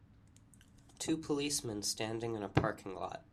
Two policemen standing in a parking lot.